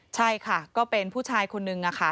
ใช่ค่ะก็เป็นผู้ชายคนนึงค่ะ